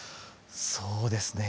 そうですね